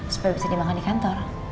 supaya bisa dimakan di kantor